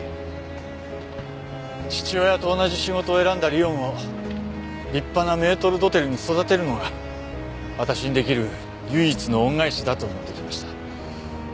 父親と同じ仕事を選んだ莉音を立派なメートル・ドテルに育てるのが私に出来る唯一の恩返しだと思ってきました。